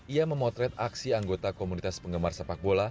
ia memotret aksi anggota komunitas penggemar sepak bola